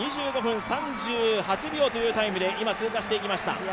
２５分３８秒というタイムで今、通過していきました。